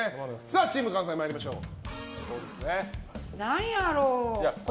チーム関西参りましょう。